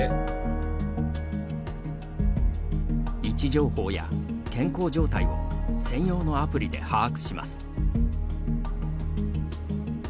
位置情報や健康状態を専用のアプリで把握します。